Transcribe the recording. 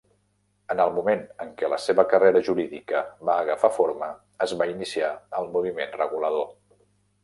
En el moment en què la seva carrera jurídica va agafar forma, es va iniciar el Moviment Regulador.